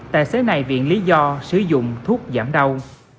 tài xế này viện lý do sử dụng thuốc giảm đau